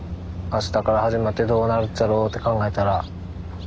あしたから始まってどうなるっちゃろうって考えたら。